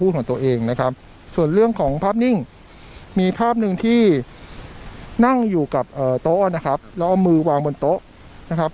หนึ่งที่นั่งอยู่กับโต๊ะนะครับแล้วเอามือวางบนโต๊ะนะครับ